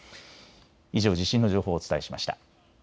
以上、地震の情報をお伝えしました。